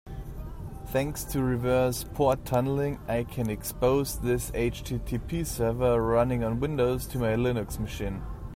Thanks to reverse port tunneling, I can expose this HTTP server running on Windows to my Linux machine.